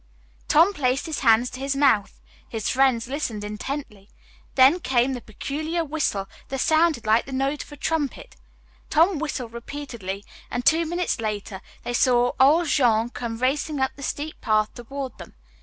Tom placed his hands to his mouth. His friends listened intently. Then came the peculiar whistle that sounded like the note of a trumpet. Tom whistled repeatedly, and two minutes later they saw old Jean come racing up the steep path toward them.